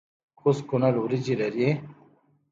کوز کونړ وریجې لري؟